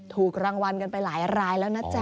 ถูกรางวัลกันไปหลายรายแล้วนะจ๊ะ